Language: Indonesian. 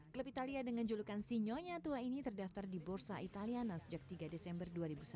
klub italia dengan julukan sinyonya tua ini terdaftar di bursa italiana sejak tiga desember dua ribu satu